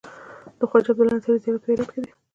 د خواجه عبدالله انصاري زيارت په هرات کی دی